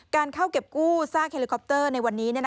การเข้าเก็บกู้ซากเฮลิคอปเตอร์ในวันนี้